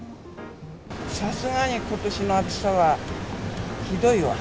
さすがにことしの暑さはひどいわ。